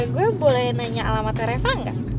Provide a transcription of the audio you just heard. gue boleh nanya alamatnya reva nggak